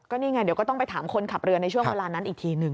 นี่ไงเดี๋ยวก็ต้องไปถามคนขับเรือในช่วงเวลานั้นอีกทีหนึ่ง